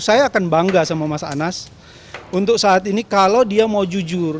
saya akan bangga sama mas anas untuk saat ini kalau dia mau jujur